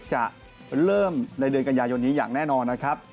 จะเริ่มในเดือนกันยายนนี้อย่างแน่นอนนะครับ